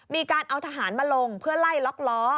มีการเอาทหารมาลงเพื่อไล่ล็อกล้อ